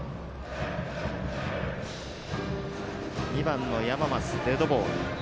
２番の山増、デッドボール。